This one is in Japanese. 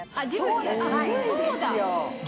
そうだ。